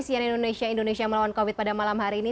cnn indonesia indonesia melawan covid pada malam hari ini